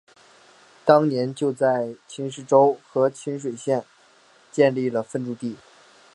当年就在沂州府和沂水县建立了分驻地。